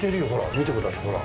見てくださいほら。